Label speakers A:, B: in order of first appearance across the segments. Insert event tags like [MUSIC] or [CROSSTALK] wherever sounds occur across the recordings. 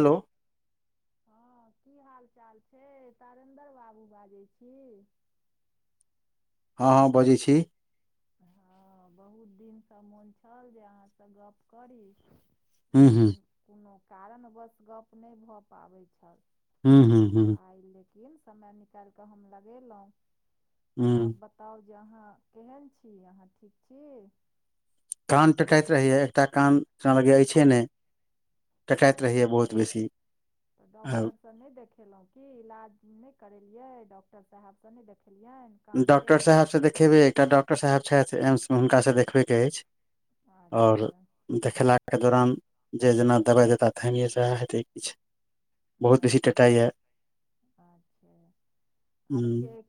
A: हेल
B: हँ की हाल चाल छै तारेन्दर बाबू बाजैत छ
A: हँ हँ बजै छ
B: हँ बहुत दिनसँ मोन छल जे अहाँसँ गप्प कर
A: हूँ हूँ
B: लेकिन कोनो कारणवश गप नहि भऽ पाबैत छ
A: हूँ हूँ
B: तऽ
A: हूँ
B: आइ लेकिन समय निकालि कऽ हम लगेलहुँ तऽ
A: हूँ
B: आब तब जे अहाँ केहन छी अहाँ ठीक छ
A: कान टकाइत रहैया एकटा कान जेना लग नह कटाइत रहैया
B: अच्छा
A: बहुत बेसी आ
B: सँ नहि देखेलहुँ की इलाज नहि करेलियै डॉक्टर साहेबसँ नहि देखेलिय
A: डॉक्टर साहेब से देखेबे एकटा डॉक्टर साहेब छथि एम्स मे हुनका से देखबे के अछ आओ
B: अच्छे
A: देखेलाके दौरान जे जेना दवाइ देताह तऽहिए स हेतै किछ
B: अच्छा अच्छा आ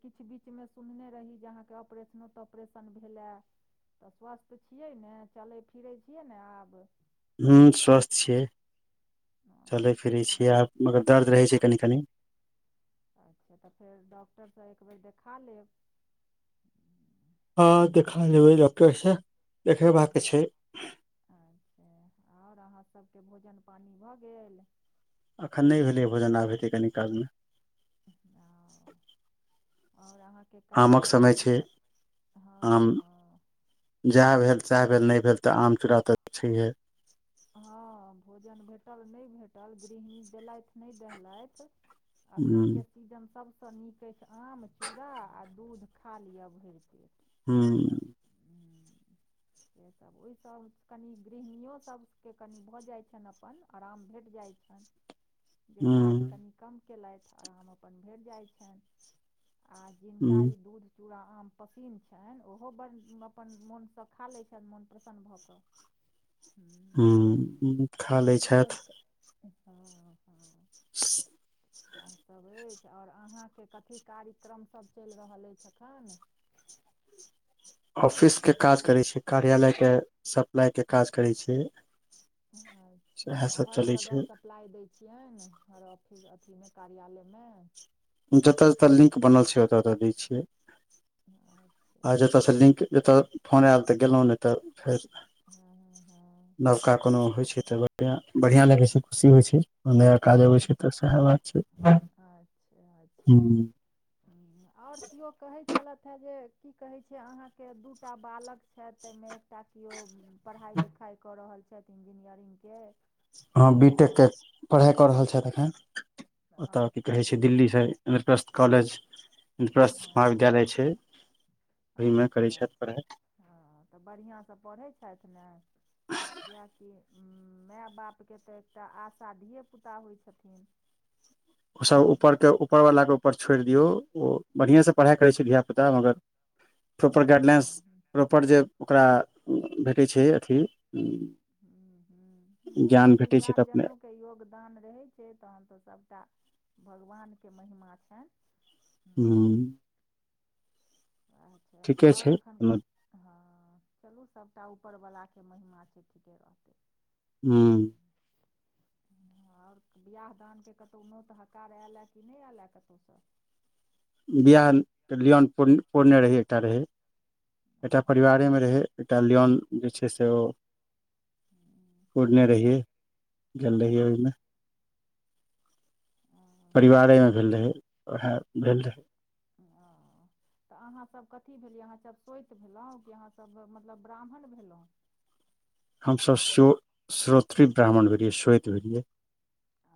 B: किछु बीचमे सुनने रही जे अहाँके ऑपरेशनो त परेशन भेल तऽ स्वस्थ छियै ने चलै फिरै छियै ने आ
A: हू स्वस्थ छियै चलै फिरै
B: अच्छा
A: छियै आब मगर दर्द रहै छै कनि कन
B: अच्छा तऽ फेर डॉक्टरसँ एकबेर देखा ले
A: हँ देखा लैबै डॉक्टर से देखेबाका के छ
B: अच्छा आओर अहाँ सबके भोजन पानि भऽ गे
A: अखन नहि भेलै भोजन आब हेतै कनी कालम
B: ओ आओर अहा के
A: आमक
B: कार्यक्रम
A: समय
B: की
A: छै
B: सब
A: आम
B: हँ ह
A: जएह भेल सएह भेल नहि भेल तऽ आम चूड़ा तऽ छह
B: हँ भोजन भेटल नहि भेटल गृहिणी देलथ नहि देल
A: हुं
B: अखनके सीजन सभसँ नीक अछि आम चूड़ा आ दूध खा लिअ भरि पे
A: ह
B: ह से सभ ओहिसँ कनि गृहिणियो सभके कनि भऽ जाइत छनि अपन आराम भेट जाइत छ जे काज
A: हुं
B: कनि कम कयेलथि आराम अपन भेट जाइ छन आ जिनका
A: हुं
B: ई दूध चूड़ा आम पसन्न छनि ओ ब अपन मोनसँ खा लै छथि मोन प्रसन्न भऽ क
A: खा लै छथ
B: ह ह
A: [UNINTELLIGIBLE]
B: सएहसभ अछि आओर अहाँके कथी कार्यक्रमसभ चलि रहल अछि एखन
A: ऑफिसके काज करै छियै कार्यालयके सप्लाइके काज करै छि
B: अच्छा तऽ हर जगहस लाइ दै छियनि हर ऑफिस अथीमे कार्यालयम
A: जतय जतय लिंक बनल छै ओत अत दै छियै
B: अच्छ
A: आ जतय से लिंक जतय फोन आयल तऽ गेलो न तऽ फेर
B: हँ हँ
A: नबका कोनो होइ छै त बढ़ियां लगै छै खुशी होइ छ नया काज
B: हँ
A: अबै छै
B: अच्छा
A: तऽ सएह बात छै
B: अच्छा अच्छा आओर केओ कहैत छलथि ह जे की कहैत छै अहाँके दूटा बालक छथ ता मे एकटा केओ पढ़ाइ लिखाई कऽ रहल छथि इंजीनियरिंग क
A: हँ बी टेक के पढ़ाइ कऽ रहल छथि एखन ओतय की कहैत छै
B: अच्छा
A: दिल्लीस एमस्त कॉे पस
B: हँ
A: महाविद्यालय छै ओहिमे
B: अच्छे
A: करै छथि
B: अच्छे
A: पढ़ा
B: हँ तऽ बढ़िआँसँ पढ़ै छथि न किएकि माय बापके तऽ एकटा आशाधिये पुता होइ छथि
A: ओसभ उपरके ऊपरवलाके ऊपर छोड़ि दियौ ओ बढ़िआँसँ पढ़ाइ करै छै धियापुता मग प्रॉपर गाइडलाइंस प्रॉपर जे ओकरा भेटै छै अथ
B: ह ह नहि कनि
A: छै तऽ अपने
B: गार्जियनोक के योगदान रहै छै तहन तऽ सभटा भगवानके महिमा छन
A: हू
B: अच्छा तऽ
A: ठीके
B: आओर
A: छै
B: अखन
A: हूँ
B: हँ चलू सबटा ऊपरवलाके महिमा छै ठीके रहत
A: ह
B: ह आओर बिआाह दानके कतहु नोत हकार आयलए कि नहि आयलए कतहुस
A: बियाहके लिन प पूर्ण रहै एकटा रहै एकटा परिवारेमे रह कलयाण पुर मे छै सेहो
B: अच्छा
A: जदे हबमे
B: अच्छा
A: परिवारेमे भेल रहै वएह भेल रह
B: ओ तऽ अहाँ सब कथी भेलियै अहाँ सब सोत भेलहुँ क अहाँ सब मतलब ब्राह्मण भेलहु
A: हमस श्रो श्रोत्रृ ब्राह्मण भेलये श्वेत भेलय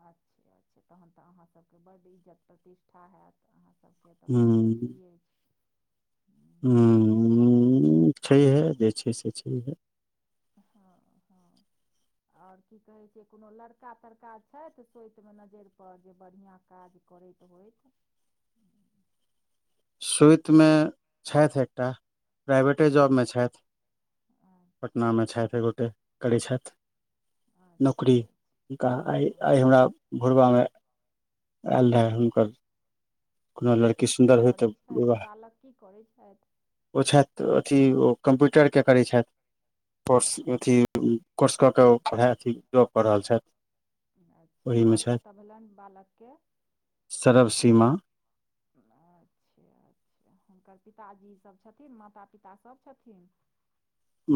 B: अच्छे अच्छा तहन तऽ अहाँ सबके बड इज्जत प्रतिष्ठा है तऽ अहाँ सबके तऽ बहुत अथी अछ
A: ह छैहे जे छै से छैह
B: हँ ह और की कहे छै कोनो लड़का तड़का छथि सोति मे नजरि पर जे बढ़िया का करैत तऽ होइत
A: सुतिमे छथि एकटा प्राइवेटे जॉबमे छथ
B: अच्छा
A: पटनामे छथ ए गोटे करै छ
B: अच्छा
A: नौकरी
B: अच्छा
A: हुनका आइ
B: हँ
A: आइ हमर भोरबामे आयल रहै हुनक कोनो लड़की
B: अच्छा की
A: सुन्दर होय तऽ
B: करै छथि बालक की करै छथि
A: ओ छथि अथी ओ कम्प्यूटरके करैत छथि कोर्स अथ कोर्स कऽ के ओ पढ़ाई अथी ्रॉ कऽ रहल छथि
B: अच्छा
A: ओहिमे
B: घर
A: छथि
B: कतऽ भेलनि बालकक
A: सरव सीम
B: अच्छा अच्छा हुनकर पिताजी सब छथिन माता पिताभ छथि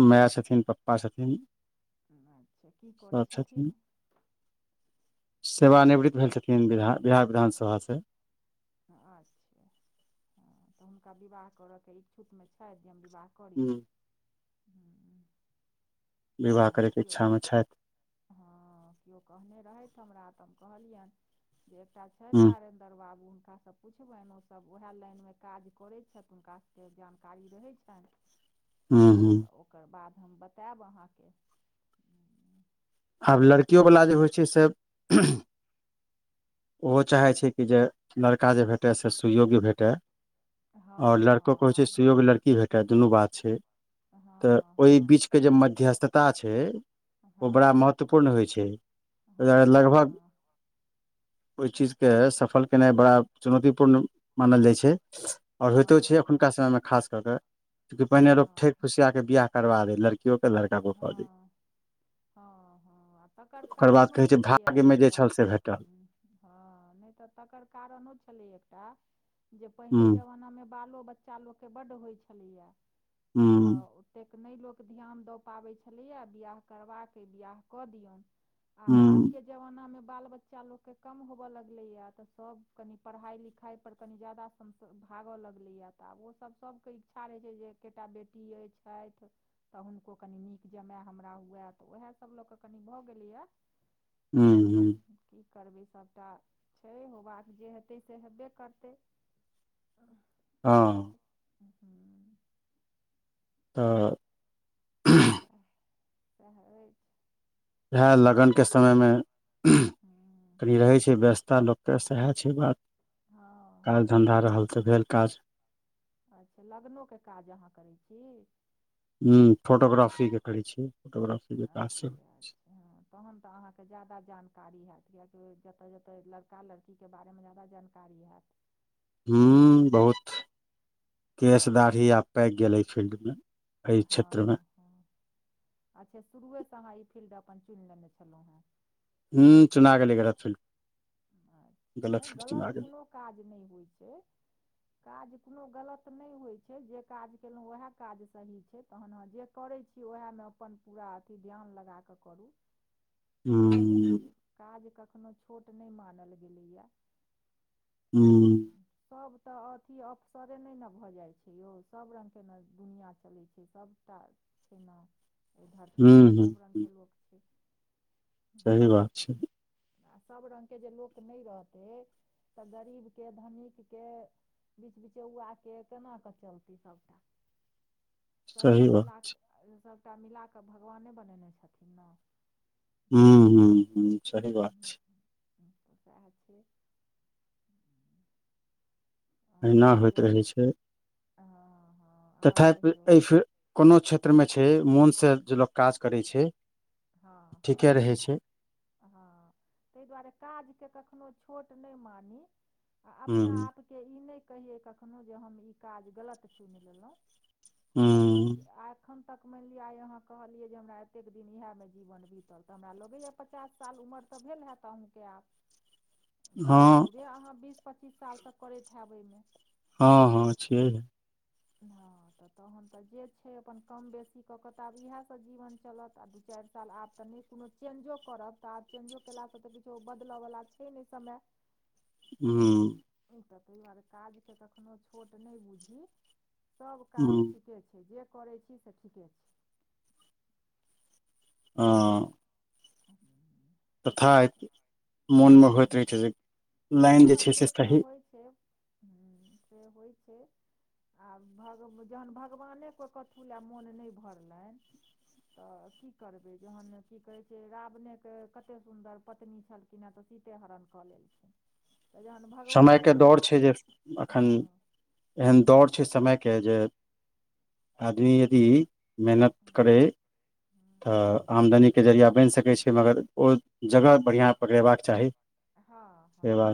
A: माय छथिन पप्पा छथिन
B: अच्छा की करै
A: सब
B: छथिन
A: सेवानिवृत भेल छथिन बि बिहार विधानसभास से
B: ह अच्छा हँ तऽ हुनका विवाह करयके इच्छुकमे छथि जे विवाह करि हूं
A: विवाह करैके इच्छामे छथि
B: हँ किओ कहने रहथि हमरा तऽ हम कहलियनि जे एकटा छथि
A: हुँ
B: तारे दर बाबू हुनकासँ पुछबनि ओसभ ओएह लाइनमे काज करै छथि हुनका सबके जानकारी रहै छैन
A: हुँ
B: तऽ
A: हुँ
B: ओकर बाद हम बतायब अहाँके हम्म,
A: आब लड़कियोवला जे होइ छै से ओहो चाहै छै कि जे लड़का जे भेटए से सुइयोग्य भेटए आओर
B: हँ हँ
A: लड़कोे होइ छै
B: आब
A: सुयोग लड़की भेट कटा दुनू बात छै
B: हँ
A: तऽ ओहि बीचके जे मध्यस्थता छै
B: हँ
A: ओ बड़ा
B: हँ
A: महत्वपूर्ण होइ छै ओ दुआरे
B: हँ
A: लगभग
B: हँ
A: ओहि चीजके सफल केनाइ बड़ा चुनौतीपूर्ण मानल जाइ छै आओर होइतो छै
B: हँ हँ
A: एखुनका समयमे खास कऽ क कि पहिने लोक ठै
B: हँ
A: खुसिया क बियह करबा दै लड़की कओ क लड़
B: हँ हँ हँ तकर
A: ओकर बाद
B: कारणो
A: कहै छै
B: छलैया
A: भाग्यमे जे
B: एकटा
A: छल से
B: ह
A: भेटल
B: हँ नहि तऽ तकर कारणो छलै एकटा जे पहिले
A: हुँ
B: जमानामे बालो बच्चा लोकके बड्ड होइ छलैया तऽ
A: हुँ
B: ओतेक नहि लोक ध्यान दऽ पाबै छलैए बआह करबाके अइ बियाह कऽ दियौन आ आब
A: हुँ
B: के जमाना मे बाल बच्चा लोकके कम होबय लगलै या तऽ सब कनि पढ़ाई लिखाई पर कनि जादा हम भाग लगलैए तऽ आब ओसभ सभके इच्छा रहै छै जे एकटा बेटी अइ छथ तऽ हुनको कनि नीक जमायए हमरा हुए तऽ उएहसभ लऽ कऽ कनि भऽ गेलैए
A: हू हू
B: की करबै सभटा छै होबाक जे हेतै से हेबे करतै
A: हँ
B: हू
A: तऽ
B: सएहै से यैछ
A: वए लगनके समयमे
B: हँ
A: कनि रहै छै व्यस्तता लोक त सएह छै बात काज
B: हँ
A: धन्धा रहल तऽ भेल काज
B: अच्छा लगनोके काज अहाँ करैत छी
A: ह फोटोग्राफीके करै छियै फोटोग्राफीके काज छै
B: अच्छा अच्छा हँ तहन तऽ अहाँके जादा जानकारी हएत कियकि जतय जतय लड़का लड़की ची के बारेमे जादा जानकारी हएत
A: हूं बहुत केश दाढ़ी आब पाकि गेलैछ फिल्ड मे
B: हा हा अच्छा शुरुए सँ अहाँ ई फील्ड अपन चुनि लेने छलहुँ हे
A: हूं चुना गेलै गलत
B: अच्छा नहि
A: फील्ड चुना
B: गलत
A: गेलै
B: कूनो काज नहि होइ छै काज कोनो गलत नहि होइ छै जे काज केलहुँ उएह काज सही छै तहन अह जे करै छी ओएहमे अपन पूरा अथी ध्यान लगाकऽ करू से होई
A: हुँ
B: छै काज कखनो छोट नै मानल गेलैए
A: हूँ
B: सभ तऽ अथी अफसरे नहि ने भऽ जाइ छै ने यौ सभ रङ्गके न दुनिआँ चलै छै सभटा केना एहि धरती
A: हुँ
B: पर
A: हुँ
B: सभ रंग
A: हुँ
B: के लोक छै
A: सही
B: हम्म,
A: बात छै
B: आ सब रङ्गके जे लोक नहि रहतै तऽ गरीबके धनीकके बीच बीचइआ कऽ केना कऽ चलतै सभटा सभके
A: सही बात छै
B: मिला सभटा मिला कऽ भगवाने बने ने छथिन ने।
A: हूँ हूँ हूँ, सही बात छै।
B: हम्म, तऽ सएह छै। ह।
A: एहिना, होइत रहै छै।
B: हँ, हँ। आओर
A: तथापि,
B: कहियौ
A: एहि फेर कोनो क्षेत्रमे छै, मोनसँ जे लोक काज करै छै।
B: हँ,
A: ठीके
B: हँ।
A: रहै छै
B: हँ, तहि दुआरे काजकेँ कखनो छोट नहि मानी, आ अपना
A: ह्म
B: आप। के ई नहि कहियै कखनो जे हम ई काज गलत चुनि लेलहुँ। हँ,
A: ह्म
B: ठीक आ। एखन तक मानि लिअ, आइ अहाँ कहलियै जे हमरा एतेक दिन इएहमे जीवन बीतल तऽ हमरा लगै। पचास साल उमर तऽ भेल हेत अहूँकेँ आब तऽ
A: हँ
B: जरुरे अहाँ बीस। पच्चीस साल सँ करैत हैब एहि मे?
A: हाँ हाँ, छियै।
B: हँ। तऽ तहन तऽ जे छै, अपन कम बेसी कऽ तऽ आब इएहसँ जीवन चलत आ दू चार साल आब। तऽ नहि, कोनो चेंज करब तऽ आब चेंज केलासँ तऽ किछु बदलऽवला छै नहि, समय। [UNINTELLIGIBLE]
A: हँ।
B: ई तऽ ताहि दुआरे काजके कखनोहु छोट नहि बुझहि। सभ काज
A: ह्म
B: ठीके छै, जे करै छी से ठीके छै।
A: आ।
B: हम।
A: तथा मोनमे होइत रहै छै, जे लाइन जे
B: हँ
A: छै, से सही
B: से होई छै। आ भऽ जहन भगवाने कोइ कथु लए मोन नहि भरले। तऽ की करबै जहन की कहै छै, रावणेके कते सुन्दर पत्नी छलखिन। किना तऽ सीते, हरण कऽ लेलखिन। तऽ जहन
A: समयके
B: भगवानेके
A: दोर
B: मो
A: छै जे एखन।
B: हँ
A: एहन दौड़ छै, सम के जे आदमी यदि। मेहनत
B: हँ
A: करै, तऽ आमदनी। के जरिया बैन सकै छै, मगर ओ जगह बढ़िआँ पकड़ेबाक चाही। से बात
B: हँ-हँ,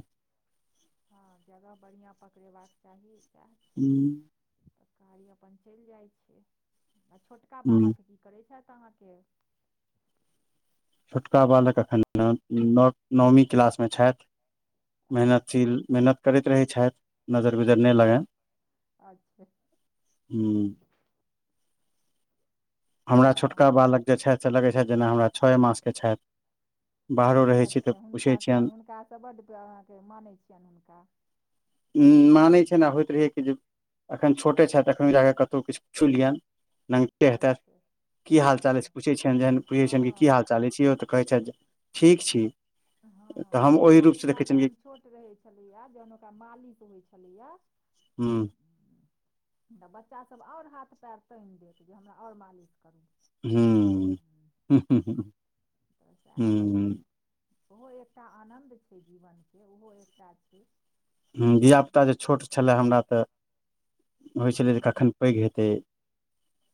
B: हँ। जगह बढ़िआँ पकड़बाक चाही, चाही।
A: हूँ।
B: तऽ कारी अपन चैल जाइत छै, आ छोटका बालक की करैत छथ अहाँकेँ।
A: छोटका बालक एखन नौ नौमी क्लासमे छथि। मेहनत सी
B: अच्छा
A: मेहनत करैत रहै छथ नजर बिजर नहि लागै।
B: अच्छा।
A: हु, हमरा
B: हँ
A: छोटका बालक। जे छथ सँ लगै छथ जेना हमरा छओ मासके छथि बाहरो रहै छी तऽ पुछै छियन
B: बड़ अहाँकेँ मानै छियनि हुनका
A: उ माने छै ने आ होइत रहए कि जे अखन छोटे छै त अखन जाके कतहु किछ छु लियन।
B: अच्छा।
A: की हाल चाल अछि छै,
B: हँ
A: पूछै छियनि जेहन पूछैत छियनि कि
B: हँ
A: हाल चाल अछि छै, ओ तऽ कहै छथि ठीक छी।
B: हँ,
A: तऽ
B: हँ,
A: हम ओहि रूपसँ
B: धियापुता
A: देखै छियनि
B: जखन
A: कि
B: छोट रहैत छलैए जखन ओकरा मालिश होइत छलैए।
A: हूँ।
B: तऽ बच्चा सभ और हाथ पैर तानि देत जे हमरा और मालिश करे।
A: हूँ हूँ।
B: तऽ सएह होइ
A: हूँ
B: छै। ओहो एकटा आनन्द छै जीवनके ओहो एकटा छ
A: ँ धियापुता जे छोट छलय हमरा तऽ होइत
B: हँ
A: छलै जे कखन पैघ हेत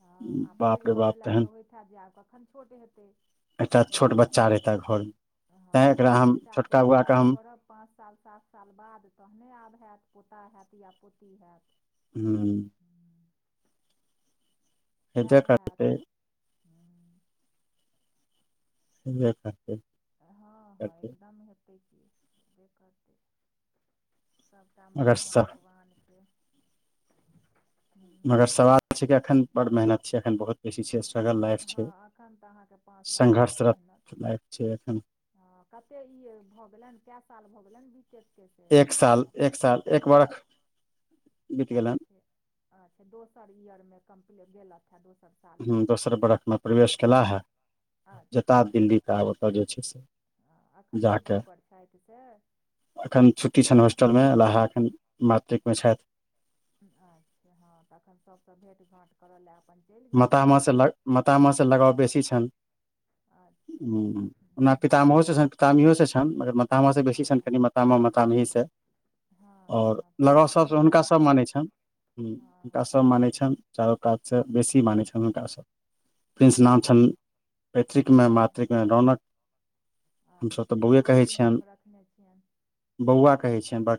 B: हँ आ पैघ भऽ गेलए
A: तहन
B: तऽ होइत हत जायब कखन छोट हेत
A: एकटा छोट बच्चा रहिताै घरमे
B: हँ
A: तैँ
B: तऽ
A: एकरा
B: आब
A: हम
B: बेटाके
A: छोटका बौआके
B: विवाह
A: ह
B: करब पाँच साल साँत साल बाद तहने आब हैत पोता हयत या पोती है
A: ह
B: सएह
A: हेबे
B: हए
A: करतै
B: तऽ ह
A: [UNINTELLIGIBLE]
B: हाँ हाँ
A: करतै
B: एकदम हेतै कि हयबे करत सभटा
A: मगर
B: महिमा
A: स
B: भगवानक
A: मगर सवाल छै एखन बड़ मेहनत छै अखन बहुत बेसी छ स्ट्रगल लाइफ
B: हँ
A: छै
B: एखन तऽ अहाँके पाँच साल
A: संघर्षरत लाइफ छै एख
B: ह कते ई भऽ गेलन कए साल भऽ गेलन बी ट
A: एक साल एक साल एक वर
B: अच्छे अच्छा दोसर ईयरमे कम्प्लीट भेलथ हे दोस
A: दोसर बर्खमे प्रवेश कल जतय
B: अच्छे
A: आब दिल्ली कह आयब ओतय जे छै से
B: हँ एखन
A: जा क
B: छुट्टीपर छथि से
A: एखन छुटी छनि होस्टल मे ललाहा एखन मात्रिक में छथि
B: अच्छा हँ तखन सबसे भेंट घा करऽ लए अपन चलि गेल
A: मातामह
B: हेता
A: से
B: ज
A: लग मातामह से लगाव बेसी छनि
B: अच्छ
A: पोतामहोसँ छनि पीतामहिोसँ छनि मगर माता मोसँ बेसी छनि
B: हँ
A: कनि मातामा माता महीस ओर
B: हँ पैघ
A: लगाव सभसँ
B: सन्तान
A: हुनकासभ मानै
B: छथि
A: छन
B: हँ
A: हुनकासभ मानै छ चारो काजसँ बेसी मानै छ क स प्रिंस नाम छनि
B: अच्छा
A: पैतृकमे
B: हँ
A: मातृकमे रौनकन
B: अच्छा अहाँ की नाम रखने छिय
A: बौआ कहै छिएन ब